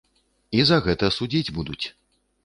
І за гэта судзіць будуць.